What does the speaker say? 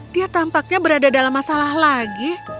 dia tampaknya berada dalam masalah lagi